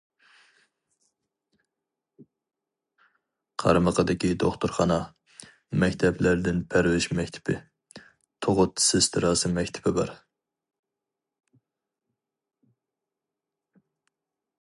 قارمىقىدىكى دوختۇرخانا، مەكتەپلەردىن پەرۋىش مەكتىپى، تۇغۇت سېستراسى مەكتىپى بار.